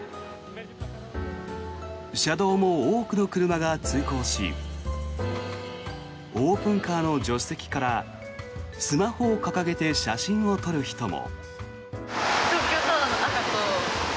車道も多くの車が通行しオープンカーの助手席からスマホを掲げて写真を撮る人も。